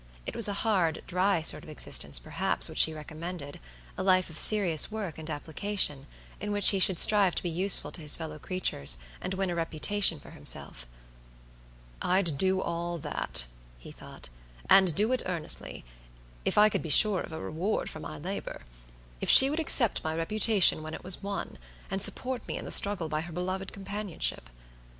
It was a hard, dry sort of existence, perhaps, which she recommended; a life of serious work and application, in which he should strive to be useful to his fellow creatures, and win a reputation for himself. "I'd do all that," he thought, "and do it earnestly, if I could be sure of a reward for my labor. If she would accept my reputation when it was won, and support me in the struggle by her beloved companionship.